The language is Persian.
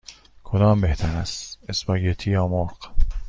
کدام بهتر است: اسپاگتی یا مرغ؟